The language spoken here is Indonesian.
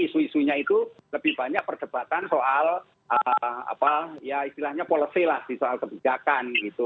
isu isunya itu lebih banyak perdebatan soal apa ya istilahnya policy lah di soal kebijakan gitu